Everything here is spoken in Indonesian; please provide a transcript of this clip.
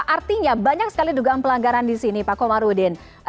artinya banyak sekali dugaan pelanggaran di sini pak komarudin